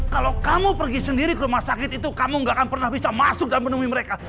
kalau kamu pergi sendiri ke rumah sakit itu kamu gak akan pernah bisa masuk dan menemui mereka